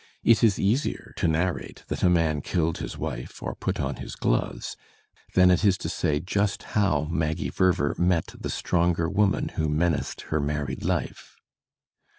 It is easier to narrate that a man killed his wife or put on his gloves* than it is to say just how Maggie Verver met the stronger woman who menaced her married life.